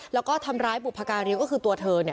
แล้วก็ทำร้ายปุปการิย์ก็คือตัวเธอเนี่ย